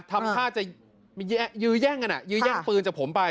ทำท่าจะยื้อแย่งกันยื้อแย่งปืนจากผมไป